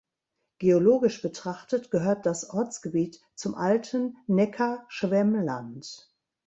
Geologisch betrachtet gehört das Ortsgebiet zum alten Neckar-Schwemmland.